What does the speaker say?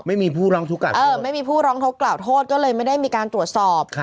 ไม่มีผู้ร้องทุกข์กันไม่มีผู้ร้องทุกข์กล่าวโทษก็เลยไม่ได้มีการตรวจสอบ